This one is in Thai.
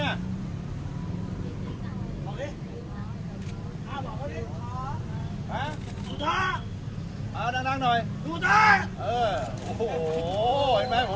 อ่ะภาษาอ่ะดังหน่อยหูตาเออโอ้โหโหเห็นไหมผม